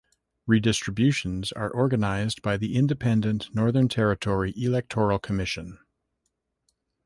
Redistributions are organised by the independent Northern Territory Electoral Commission.